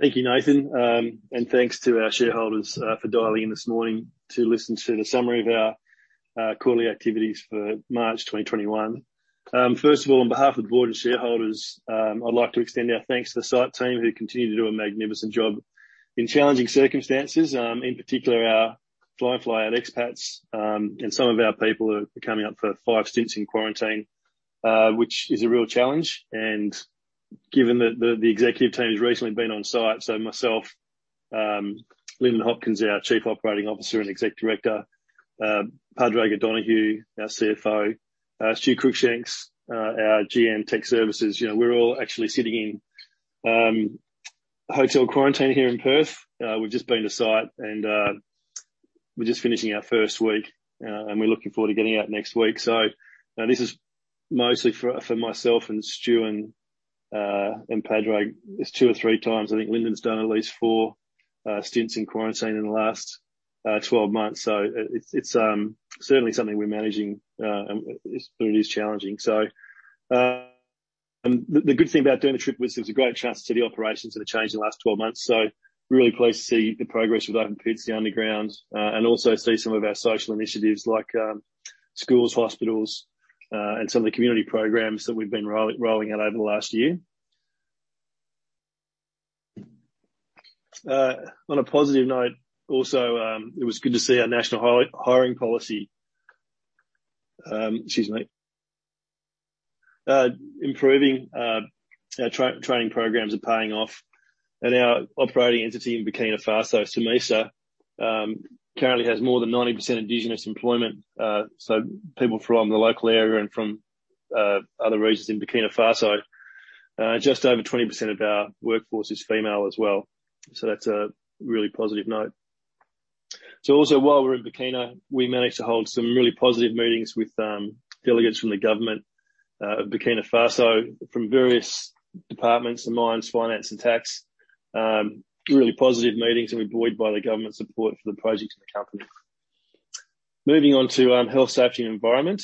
Thank you, Nathan. Thanks to our shareholders for dialing in this morning to listen to the summary of our quarterly activities for March 2021. First of all, on behalf of the board and shareholders, I'd like to extend our thanks to the site team who continue to do a magnificent job in challenging circumstances. In particular, our Fly-In Fly-Out expats, and some of our people are coming up for five stints in quarantine, which is a real challenge. Given that the executive team has recently been on site, so myself, Lyndon Hopkins, our Chief Operating Officer and Executive Director, Padraig O'Donoghue, our CFO, Stu Cruickshanks, our GM Tech Services. We're all actually sitting in hotel quarantine here in Perth. We've just been to site, and we're just finishing our first week, and we're looking forward to getting out next week. This is mostly for myself and Stu and Padraig. It's two or three times. I think Lyndon's done at least four stints in quarantine in the last 12 months. It's certainly something we're managing, but it is challenging. The good thing about doing the trip was it was a great chance to see the operations that have changed in the last 12 months. Really pleased to see the progress with open pits, the undergrounds, and also see some of our social initiatives like schools, hospitals, and some of the community programs that we've been rolling out over the last year. On a positive note also, it was good to see our national hiring policy. Excuse me. Improving our training programs are paying off. Our operating entity in Burkina Faso, SOMISA, currently has more than 90% indigenous employment, so people from the local area and from other regions in Burkina Faso. Just over 20% of our workforce is female as well. That's a really positive note. Also while we're in Burkina, we managed to hold some really positive meetings with delegates from the government of Burkina Faso, from various departments, the mines, finance and tax. Really positive meetings and we're buoyed by the government support for the project and the company. Moving on to health, safety, and environment.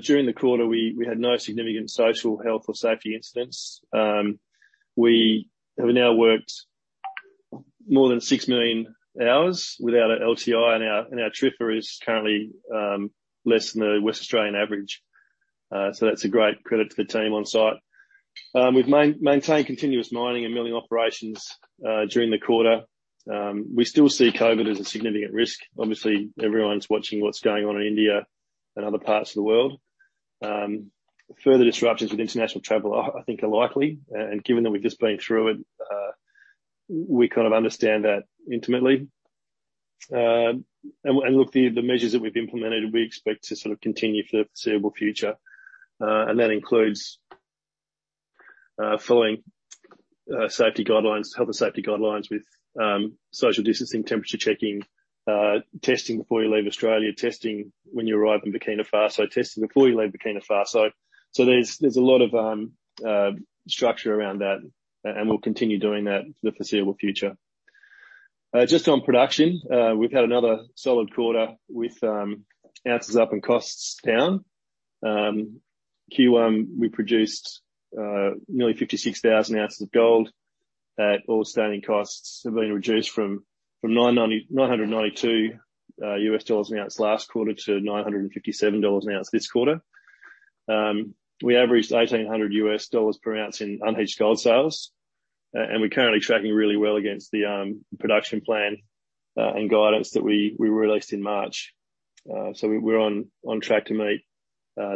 During the quarter, we had no significant social health or safety incidents. We have now worked more than 6 million hours without an LTI, and our TRIR is currently less than the West Australian average. That's a great credit to the team on site. We've maintained continuous mining and milling operations, during the quarter. We still see COVID as a significant risk. Obviously, everyone's watching what's going on in India and other parts of the world. Further disruptions with international travel, I think, are likely. Given that we've just been through it, we kind of understand that intimately. Look, the measures that we've implemented, we expect to sort of continue for the foreseeable future. That includes following health and safety guidelines with social distancing, temperature checking, testing before you leave Australia, testing when you arrive in Burkina Faso, testing before you leave Burkina Faso. There's a lot of structure around that, and we'll continue doing that for the foreseeable future. Just on production, we've had another solid quarter with ounces up and costs down. Q1, we produced nearly 56,000 ounces of gold at all-in sustaining costs have been reduced from $992 last quarter to $957 an ounce this quarter. We averaged $1,800 per ounce in unhedged gold sales. We're currently tracking really well against the production plan and guidance that we released in March. We're on track to meet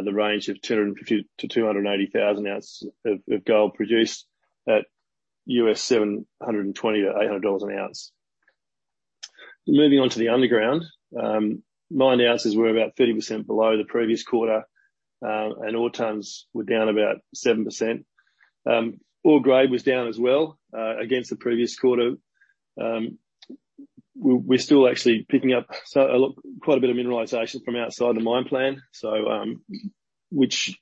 the range of 250,000-280,000 ounces of gold produced at $720-$800 an ounce. Moving on to the underground. Mine ounces were about 30% below the previous quarter, and ore tonnes were down about 7%. Ore grade was down as well, against the previous quarter. We're still actually picking up quite a bit of mineralization from outside the mine plan, which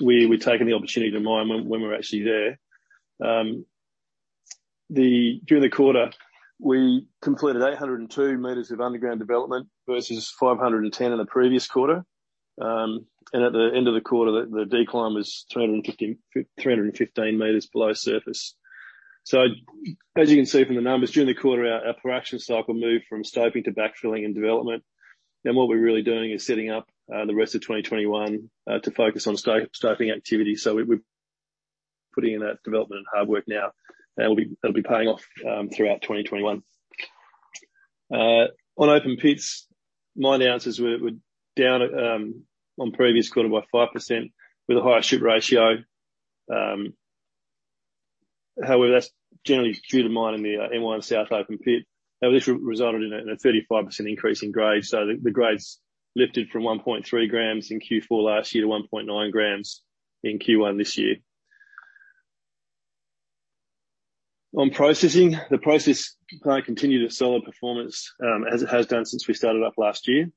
we're taking the opportunity to mine when we're actually there. During the quarter, we completed 802 m of underground development versus 510 m in the previous quarter. At the end of the quarter, the decline was 315 m below surface. As you can see from the numbers, during the quarter, our production cycle moved from stoping to backfilling and development. What we're really doing is setting up the rest of 2021 to focus on stoping activity. We're putting in that development and hard work now, and it'll be paying off throughout 2021. On open pits, mine ounces were down on previous quarter by 5% with a higher strip ratio. However, that's generally due to mining the M1 South open pit. Now, this resulted in a 35% increase in grade. The grades lifted from 1.3 g in Q4 last year to 1.9 g in Q1 this year. On processing, the process plant continued its solid performance, as it has done since we started up last year.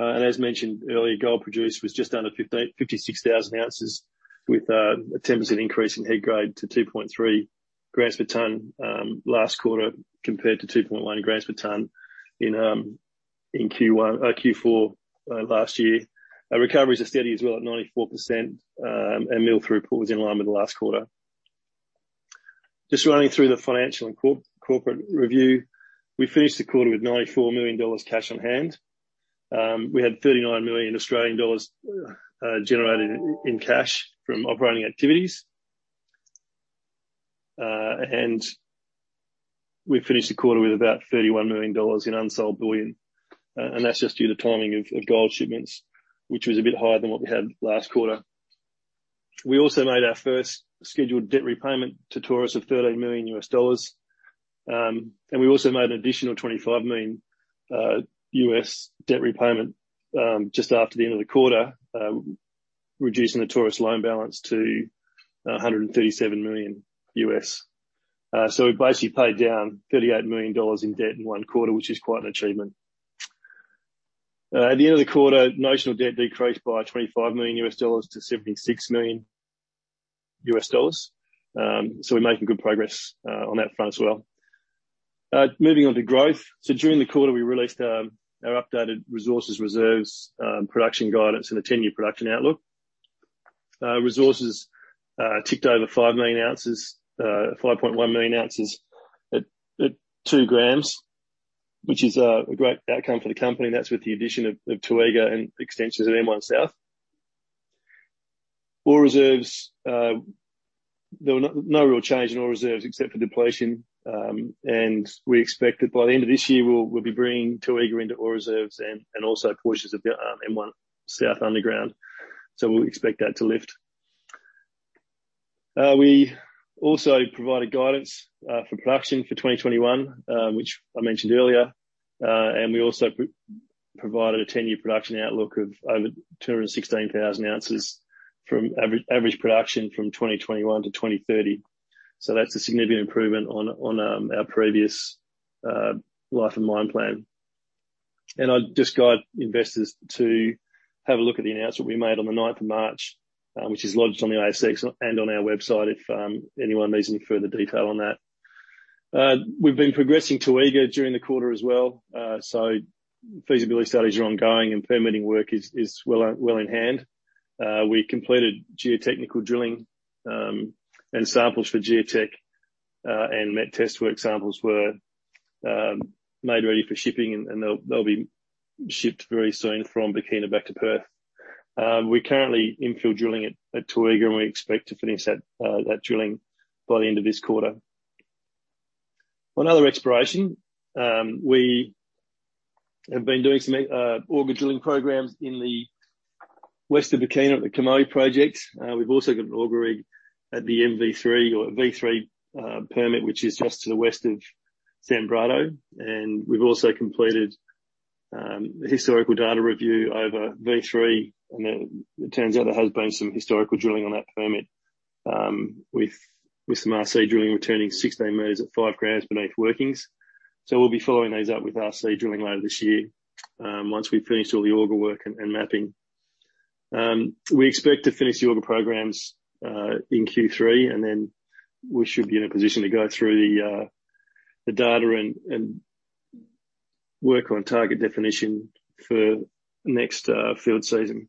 As mentioned earlier, gold produced was just under 56,000 ounces with a 10% increase in head grade to 2.3 g per tonne, last quarter compared to 2.1 g per tonne in Q4 last year. Recoveries are steady as well at 94%. Mill throughput was in line with last quarter. Just running through the financial and corporate review. We finished the quarter with $94 million cash on hand. We had 39 million Australian dollars generated in cash from operating activities. We finished the quarter with about $31 million in unsold bullion, and that's just due to the timing of gold shipments, which was a bit higher than what we had last quarter. We also made our first scheduled debt repayment to Taurus of $13 million. We also made an additional $25 million debt repayment just after the end of the quarter, reducing the Taurus loan balance to $137 million. We basically paid down $38 million in debt in one quarter, which is quite an achievement. At the end of the quarter, notional debt decreased by $25 million to $76 million. We're making good progress on that front as well. Moving on to growth. During the quarter, we released our updated resources, reserves, production guidance, and a 10-year production outlook. Resources ticked over 5.1 million ounces at 2 g, which is a great outcome for the company. That's with the addition of Toega and extensions at M1 South. Ore reserves. There were no real change in ore reserves except for depletion. We expect that by the end of this year, we'll be bringing Toega into ore reserves and also portions of the M1 South underground. We'll expect that to lift. We also provided guidance for production for 2021, which I mentioned earlier. We also provided a 10-year production outlook of over 216,000 ounces from average production from 2021 to 2030. That's a significant improvement on our previous life and mine plan. I'd just guide investors to have a look at the announcement we made on the 9th of March, which is lodged on the ASX and on our website, if anyone needs any further detail on that. We've been progressing Toega during the quarter as well. Feasibility studies are ongoing and permitting work is well in hand. We completed geotechnical drilling and samples for geotechnical, and metallurgical test work samples were made ready for shipping, and they'll be shipped very soon from Burkina back to Perth. We're currently infill drilling at Toega, and we expect to finish that drilling by the end of this quarter. On other exploration. We have been doing some auger drilling programs in the west of Burkina at the [Kamoa] project. We've also got an auger rig at the MV3 or V3 permit, which is just to the west of Sanbrado. We've also completed a historical data review over V3, and it turns out there has been some historical drilling on that permit, with some RC drilling returning 16 m at 5 g beneath workings. We'll be following these up with RC drilling later this year, once we've finished all the auger work and mapping. We expect to finish the auger programs in Q3, and then we should be in a position to go through the data and work on target definition for next field season.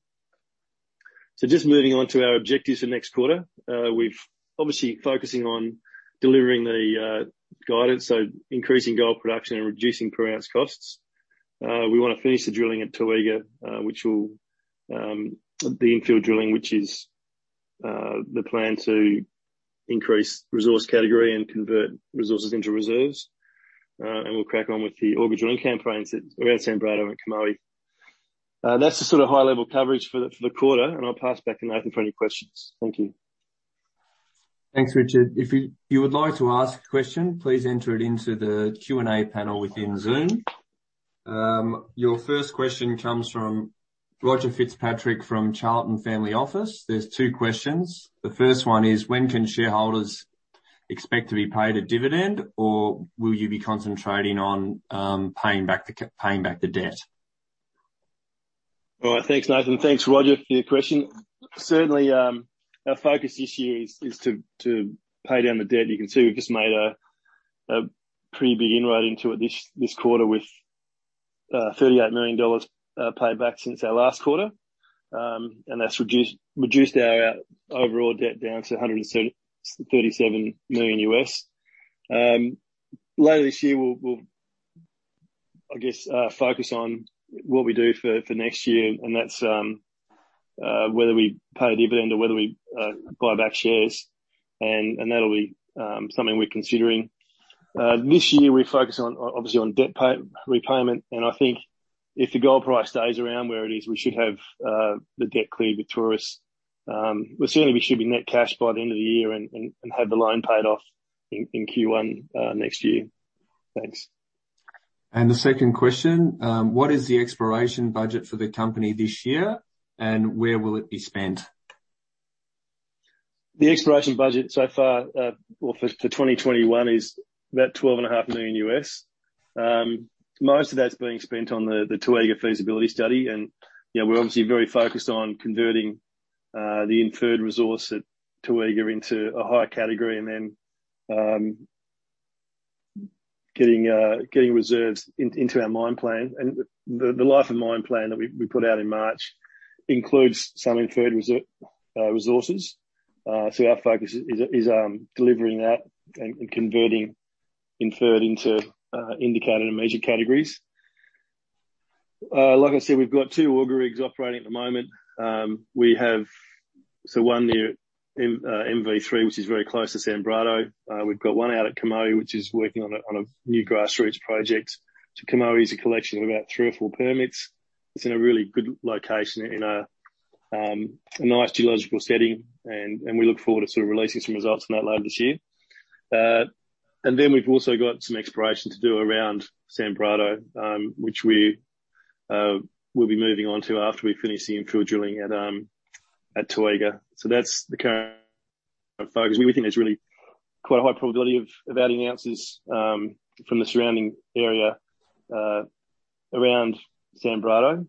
Moving on to our objectives for next quarter. We're obviously focusing on delivering the guidance, so increasing gold production and reducing per ounce costs. We want to finish the drilling at Toega, the infill drilling, which is the plan to increase resource category and convert resources into reserves. We'll crack on with the auger drilling campaigns at Sanbrado and [Kamoa]. That's the sort of high-level coverage for the quarter, and I'll pass back to Nathan for any questions. Thank you. Thanks, Richard. If you would like to ask a question, please enter it into the Q&A panel within Zoom. Your first question comes from Roger Fitzpatrick from Fitzpatrick Family Office. There is two questions. The first one is: When can shareholders expect to be paid a dividend, or will you be concentrating on paying back the debt? All right. Thanks, Nathan. Thanks, Roger, for your question. Certainly, our focus this year is to pay down the debt. You can see we've just made a pretty big inroad into it this quarter with $38 million paid back since our last quarter. That's reduced our overall debt down to $137 million. Later this year, we'll, I guess, focus on what we do for next year, and that's whether we pay a dividend or whether we buy back shares. That'll be something we're considering. This year, we focus obviously on debt repayment, and I think if the gold price stays around where it is, we should have the debt cleared with Taurus. Well, certainly, we should be net cash by the end of the year and have the loan paid off in Q1 next year. Thanks. The second question: What is the exploration budget for the company this year, and where will it be spent? The exploration budget so far for 2021 is about $12.5 million. Most of that's being spent on the Toega feasibility study. We're obviously very focused on converting the inferred resource at Toega into a higher category, and then getting reserves into our mine plan. The life of mine plan that we put out in March includes some inferred resources. Our focus is delivering that and converting inferred into Indicated and Measured categories. Like I said, we've got two auger rigs operating at the moment. We have one near MV3, which is very close to Sanbrado. We've got one out at [Kamoa], which is working on a new grassroots project. [Kamoa] is a collection of about three or four permits. It's in a really good location in a nice geological setting, and we look forward to sort of releasing some results from that later this year. We've also got some exploration to do around Sanbrado, which we will be moving on to after we finish the infill drilling at Toega. That's the current focus. We think there's really quite a high probability of adding ounces from the surrounding area around Sanbrado,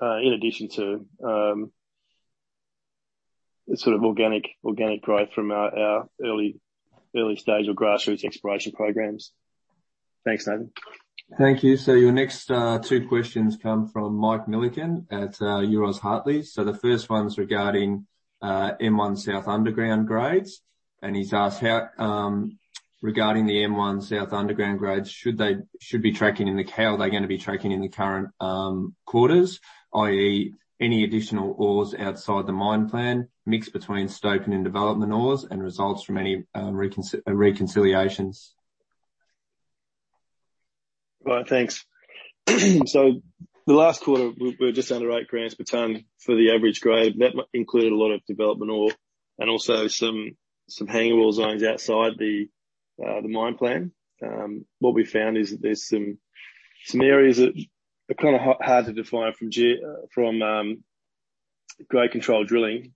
in addition to organic growth from our early stage of grassroots exploration programs. Thanks, Nathan. Thank you. Your next two questions come from Mike Millikan at Euroz Hartleys. The first one's regarding M1 South underground grades, and he's asked regarding the M1 South underground grades, should be tracking, how are they going to be tracking in the current quarters, i.e. any additional ores outside the mine plan, mix between stope and development ores, and results from any reconciliations? Right. Thanks. The last quarter, we were just under 8 g per ton for the average grade. That included a lot of development ore and also some hanging wall zones outside the mine plan. What we found is that there's some areas that are kind of hard to define from grade control drilling.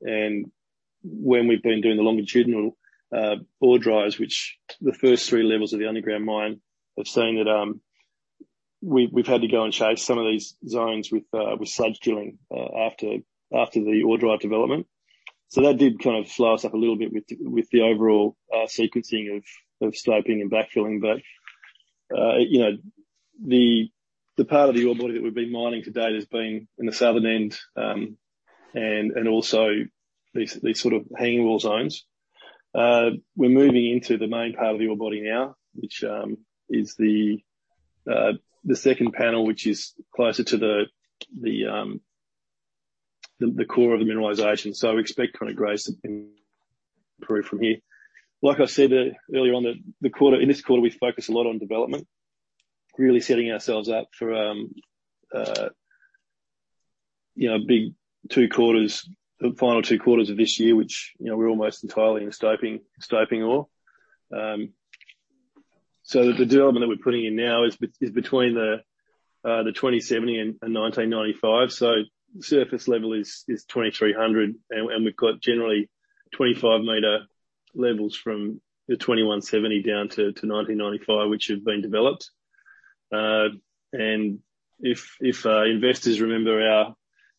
When we've been doing the longitudinal ore drives, which the first three levels of the underground mine have seen that we've had to go and chase some of these zones with sludge drilling after the ore drive development. That did kind of slow us up a little bit with the overall sequencing of stoping and backfilling. The part of the ore body that we've been mining to date has been in the southern end, and also these sort of hanging wall zones. We're moving into the main part of the orebody now, which is the second panel, which is closer to the core of the mineralization. So we expect kind of grades to improve from here. Like I said earlier on, in this quarter, we focused a lot on development, really setting ourselves up for big two quarters, the final two quarters of this year, which we're almost entirely in stoping ore. So the development that we're putting in now is between the 2,070 and 1,995. Surface level is 2,300, and we've got generally 25 m levels from the 2,170 down to 1,995, which have been developed. And if investors remember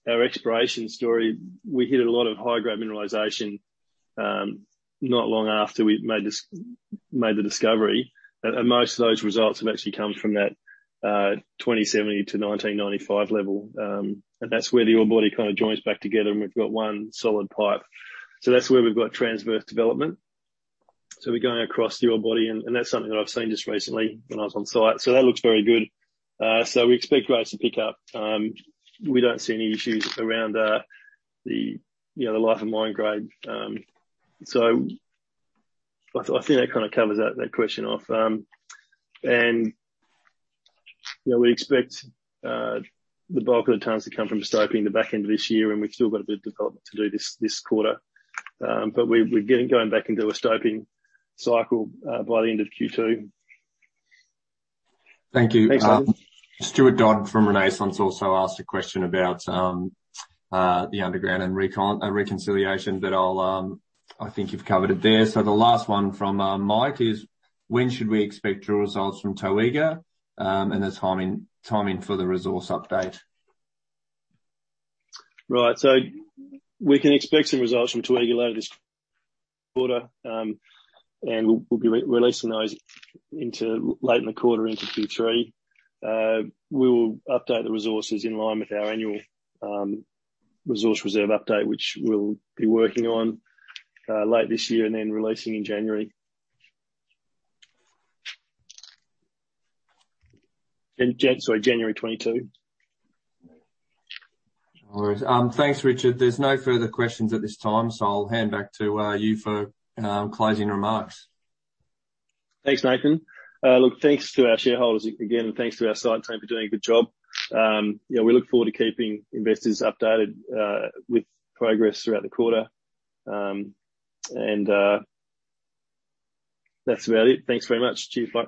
our exploration story, we hit a lot of high-grade mineralization not long after we made the discovery. And most of those results have actually come from that 2,070 to 1,995 level. That's where the orebody kind of joins back together, and we've got one solid pipe. That's where we've got transverse development. We're going across the orebody, and that's something that I've seen just recently when I was on site. That looks very good. We expect grades to pick up. We don't see any issues around the life of mine grade. I think that kind of covers that question off. We expect the bulk of the tonnes to come from stoping the back end of this year, and we've still got a bit of development to do this quarter. We're going back into a stoping cycle by the end of Q2. Thank you. Thanks, Nathan. Stuart Dodd from Renaissance also asked a question about the underground and reconciliation. I think you've covered it there. The last one from Mike is: When should we expect drill results from Toega, and the timing for the resource update? Right. We can expect some results from Toega later this quarter, and we'll be releasing those into late in the quarter into Q3. We will update the resources in line with our annual resource reserve update, which we'll be working on late this year and then releasing in January. Sorry, January 2022. No worries. Thanks, Richard. There's no further questions at this time, so I'll hand back to you for closing remarks. Thanks, Nathan. Look, thanks to our shareholders again, and thanks to our site team for doing a good job. We look forward to keeping investors updated with progress throughout the quarter. That's about it. Thanks very much. Cheers. Bye